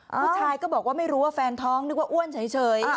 ผู้ชายก็บอกว่าไม่รู้ว่าแฟนท้องนึกว่าอ้วนเฉย